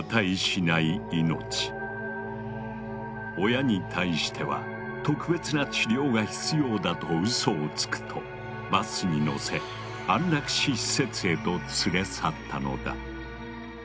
親に対しては特別な治療が必要だとうそをつくとバスに乗せ安楽死施設へと連れ去ったのだ。